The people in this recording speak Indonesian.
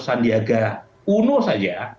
sandiaga uno saja